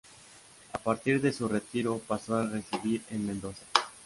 A partir de su retiro pasó a residir en Mendoza.